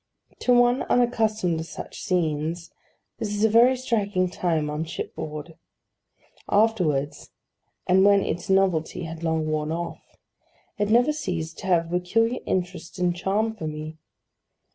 To one unaccustomed to such scenes, this is a very striking time on shipboard. Afterwards, and when its novelty had long worn off, it never ceased to have a peculiar interest and charm for me.